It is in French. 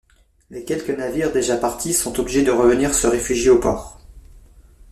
Les quelques navires déjà partis sont obligés de revenir se réfugier au port.